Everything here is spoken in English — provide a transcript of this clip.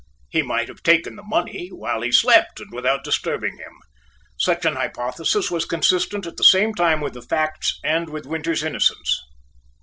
He might have taken the money, while he slept, and without disturbing him. Such an hypothesis was consistent at the same time with the facts and with Winters's innocence.